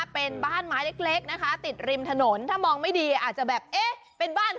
ปลาลอดกิน